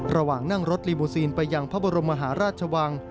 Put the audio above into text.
ระหว่างนั่งรถลีบูซีนไปยังพระบรมมหาราชวัง